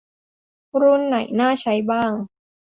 รุ่นไหนน่าใช้บ้าง